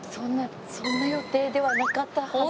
そんな予定ではなかったはず。